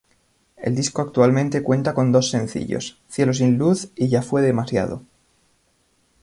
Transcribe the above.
El disco actualmente cuenta con dos sencillos: Cielo sin luz y Ya fue demasiado.